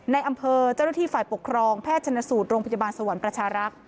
ในอำเภอเจ้าหน้าที่ฝ่ายปกครองแพทย์ชนสูตรโรงพยาบาลสวรรค์ประชารักษ์